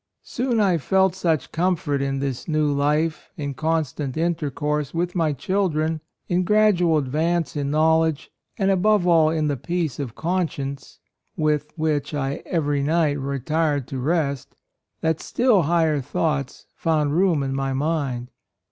"Soon I felt such com fort in this new life, in constant intercourse with my children, in gradual advance in knowledge, and above all in the peace of conscience with which I every 20 A ROYAL SON night retired to rest, that still higher thoughts found room in my mind.